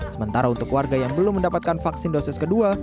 sementara untuk warga yang belum mendapatkan vaksin dosis kedua